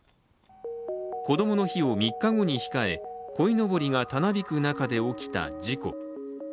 こどもの日を３日後に控え、こいのぼりがたなびく中で起きた事故。